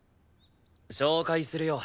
紹介するよ。